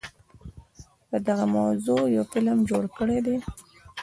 په دغه موضوع يو فلم جوړ کړے دے